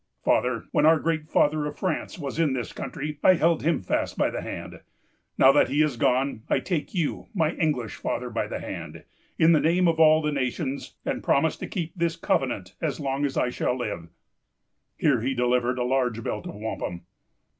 "Father, when our great father of France was in this country, I held him fast by the hand. Now that he is gone, I take you, my English father, by the hand, in the name of all the nations, and promise to keep this covenant as long as I shall live." Here he delivered a large belt of wampum.